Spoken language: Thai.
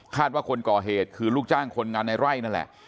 ว่าคนก่อเหตุคือลูกจ้างคนงานในไร่นั่นแหละ